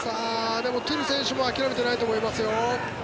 でも、トゥル選手も諦めていないと思いますよ。